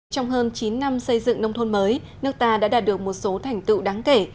trong hơn chín năm xây dựng nông thôn mới nước ta đã đạt được một số thành tựu đáng kể